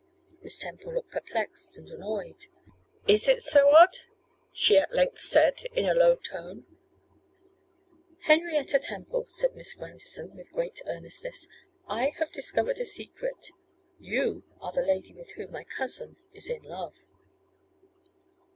Miss Temple looked perplexed and annoyed. 'Is it so odd?' she at length said in a low tone. 'Henrietta Temple,' said Miss Grandison, with great earnestness, 'I have discovered a secret; you are the lady with whom my cousin is in love.